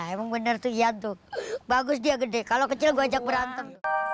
emang bener tuh iya tuh bagus dia gede kalau kecil gue ajak berantem